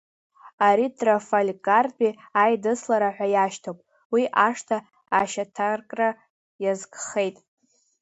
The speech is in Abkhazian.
Ари Трафальгартәи аидыслара ҳәа иашьҭоуп, уи ашҭа ашьаҭаркра иазкхеит.